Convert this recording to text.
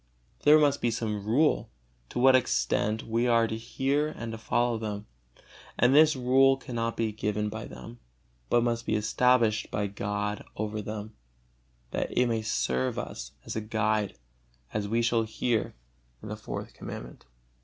There must be some rule, to what extent we are to hear and to follow them, and this rule cannot be given by them, but must be established by God over them, that it may serve us as a guide, as we shall hear in the Fourth Commandment.